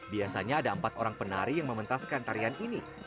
biasanya ada empat orang penari yang mementaskan tarian ini